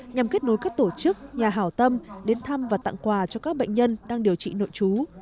nhằm kết nối các tổ chức nhà hảo tâm đến thăm và tặng quà cho các bệnh nhân đang điều trị nội trú